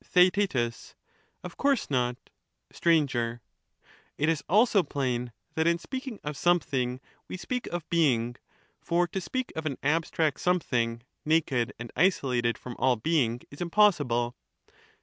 and thcre Theaet. Of course not. ^m^hin*'^ Str. It is also plain, that in speaking of something we or of two ' speak of being, for to speak of an abstract something naked or more and isolated from all being is impossible.